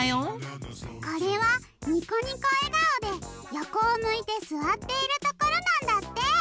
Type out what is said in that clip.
これはにこにこえがおでよこをむいてすわっているところなんだって。